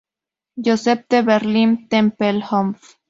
Joseph de Berlín-Tempelhof.